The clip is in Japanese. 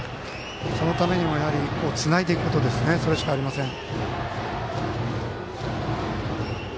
そのためにもつないでいくしかありませんね。